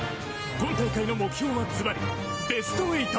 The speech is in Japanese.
今大会の目標はズバリ、ベスト８。